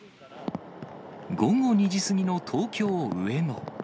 午後２時過ぎの東京・上野。